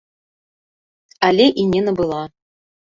Але і не набыла.